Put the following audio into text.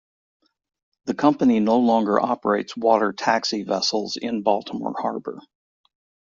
The company no longer operates water taxi vessels in Baltimore harbor.